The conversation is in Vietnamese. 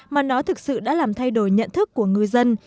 mà nó thực sự đã làm thay đổi nhận thức của người dân